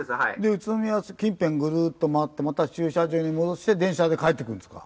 宇都宮近辺ぐるーっと回ってまた駐車場に戻して電車で帰ってくるんですか？